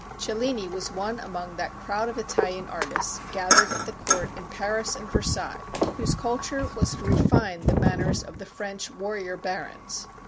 Cellini was one among that crowd of Italian artists gathered at the court in Paris and Versailles, whose culture was to refine the manners of the French warrior barons.